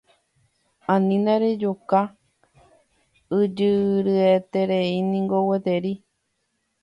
Anína rejuka ikyrỹietereíniko gueteri.